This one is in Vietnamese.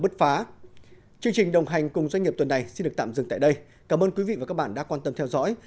chương trình đồng hành cùng doanh nghiệp tuần này xin được tạm dừng tại đây cảm ơn quý vị và các bạn đã quan tâm theo dõi